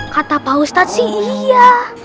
kata pak ustadz sih iya